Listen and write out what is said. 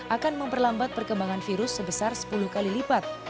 akan memperlambat perkembangan virus sebesar sepuluh kali lipat